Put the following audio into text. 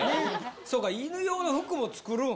そうか犬用の服も作るん。